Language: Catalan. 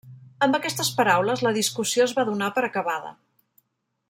Amb aquestes paraules la discussió es va donar per acabada.